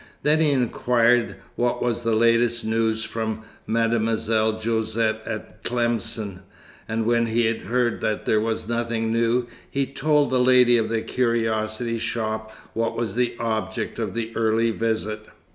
Then he inquired what was the latest news from Mademoiselle Josette at Tlemcen; and when he heard that there was nothing new, he told the lady of the curiosity shop what was the object of the early visit.